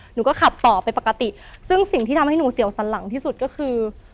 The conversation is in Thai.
หนูก็ขับต่อไปปกติซึ่งสิ่งที่ทำให้หนูเสียวสันหลังที่สุดก็คือ